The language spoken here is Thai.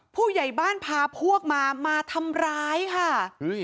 ผู้ใหญ่บ้านพาพวกมามาทำร้ายค่ะเฮ้ย